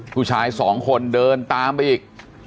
ผู้ชายสองคนเดินตามไปอีก